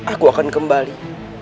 aku akan kembali